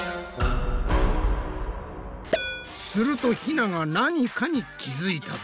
するとひなが何かに気付いたぞ！